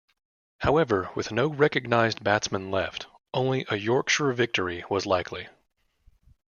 However, with no recognised batsmen left, only a Yorkshire victory was likely.